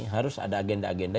harus ada agenda agenda